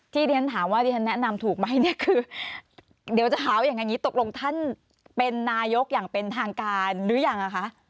ที่เรียนถามว่าที่ฉันแนะนำถูกไหมเนี่ยคือเดี๋ยวจะหาว่าอย่างนี้ตกลงท่านเป็นนายกอย่างเป็นทางการหรือยังอ่ะคะ